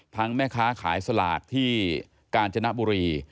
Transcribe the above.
แม่ค้าขายสลากที่กาญจนบุรี